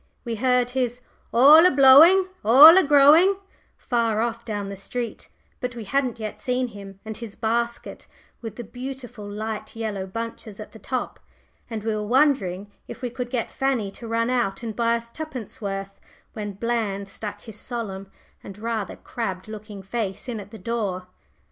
We heard his "All a blowing, all a growing," far off down the street, but we hadn't yet seen him and his basket with the beautiful light yellow bunches at the top, and we were wondering if we could get Fanny to run out and buy us twopence worth, when Bland stuck his solemn and rather crabbed looking face in at the door.